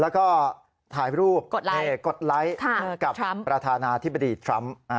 แล้วก็ถ่ายรูปกดไลค์กับประธานาธิบดีทรัมป์